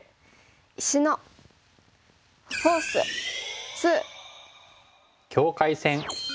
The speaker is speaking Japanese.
「石のフォース２」。